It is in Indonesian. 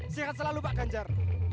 sehat selalu pak ganjar